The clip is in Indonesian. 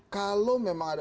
kalau memang ada